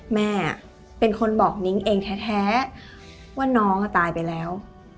แม่เป็นคนบอกนิ้งเองแท้ว่าน้องตายไปแล้ว